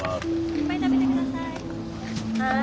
いっぱい食べてください。